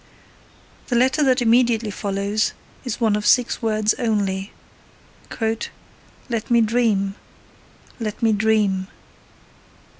The letter that immediately follows is one of six words only: Let me dream Let me dream.